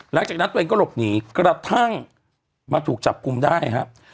หลังจากนั้นตัวเองก็หลบหนีกระทั่งมาถูกจับกลุ่มได้ครับ